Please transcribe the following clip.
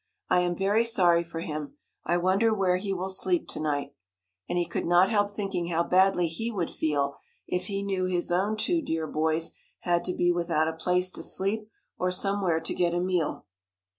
"I am very sorry for him. I wonder where he will sleep to night?" And he could not help thinking how badly he would feel if he knew his own two dear boys had to be without a place to sleep, or somewhere to get a meal.